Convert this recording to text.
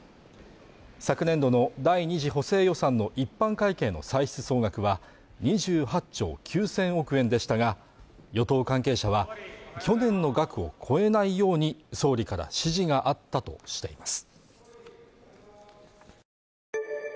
昨年度の第２次補正予算の一般会計の歳出総額は２８兆９０００億円でしたが与党関係者は去年の額を超えないように総理から指示があったとしています